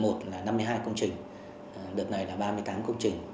một là năm mươi hai công trình đợt này là ba mươi tám công trình